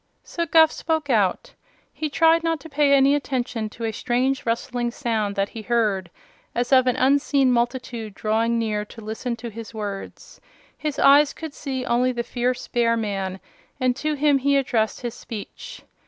So Guph spoke out. He tried not to pay any attention to a strange rustling sound that he heard, as of an unseen multitude drawing near to listen to his words. His eyes could see only the fierce bear man, and to him he addressed his speech.